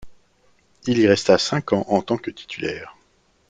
Il y resta cinq ans en tant que titulaire.